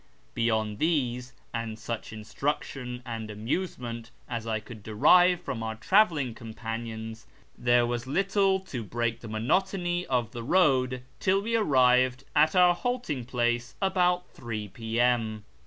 Beyond these, and such instruction and amusement as I could derive from our travelling companions, there was little to break the monotony of the road till we arrived at our halting place about 3 P.M.